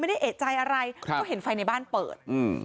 ไม่ได้เอกใจอะไรก็เห็นไฟในบ้านเปิด